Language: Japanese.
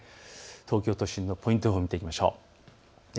東京都心のポイント予報を見ていきましょう。